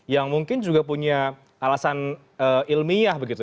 yang mungkin juga punya alasan ilmiah begitu